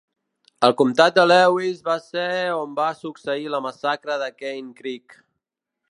El comtat de Lewis va ser on va succeir la massacre de Cane Creek.